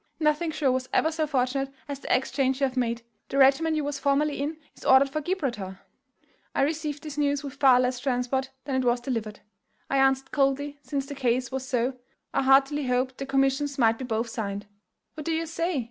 Nothing sure was ever so fortunate as the exchange you have made. The regiment you was formerly in is ordered for Gibraltar.' "I received this news with far less transport than it was delivered. I answered coldly, since the case was so, I heartily hoped the commissions might be both signed. 'What do you say?